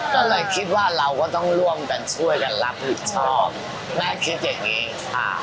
ก็เลยคิดว่าเราก็ต้องร่วมกันช่วยกันรับผิดชอบแม่คิดอย่างนี้ค่ะ